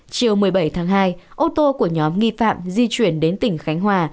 chiều một mươi bảy tháng hai ô tô của nhóm nghi phạm di chuyển đến tỉnh khánh hòa